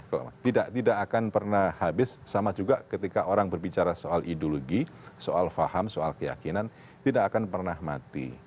kalau tidak akan pernah habis sama juga ketika orang berbicara soal ideologi soal faham soal keyakinan tidak akan pernah mati